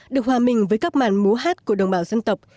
được hòa mình với các màn múa hát của đồng bào dân tộc